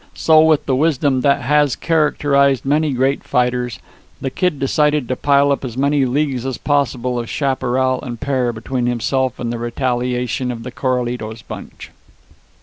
So, with the wisdom that has characterized many great fighters, the Kid decided to pile up as many leagues as possible of chaparral and pear between himself and the retaliation of the Coralitos bunch.